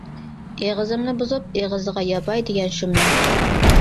ئېغىزىمنى بۇزۇپ ئېغىزىغا ياپاي دېگەن شۇمنىڭ!